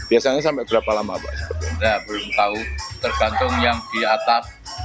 ini luapan dari mana pak